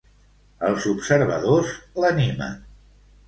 Els observadors l'animen.